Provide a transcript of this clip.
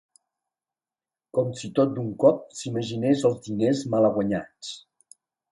Com si tot d'un cop s'imaginés els diners malaguanyats.